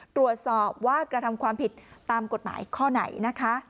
ตรวจสอบว่ากระทำความผิดตามกฎหมายข้อไหนนะคะ